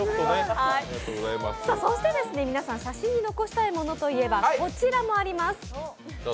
そして皆さん、写真に残したいものといえばこちらもあります。